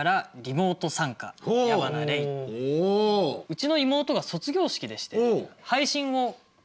うちの妹が卒業式でして配信をしていたので。